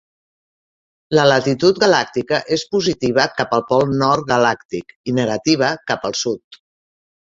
La latitud galàctica és positiva cap al pol nord galàctic i negativa cap al sud.